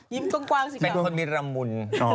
ยิ้มกว้างเป็นคนมีละมุน